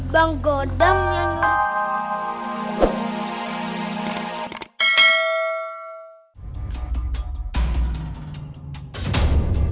bang godam nyanyi